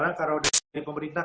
karena kalau dari pemerintah